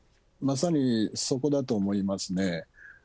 まさにそこだと思いますね。